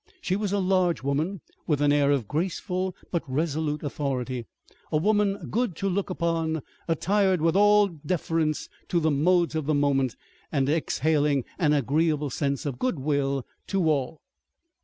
She was a large woman with an air of graceful but resolute authority; a woman good to look upon, attired with all deference to the modes of the moment, and exhaling an agreeable sense of good will to all.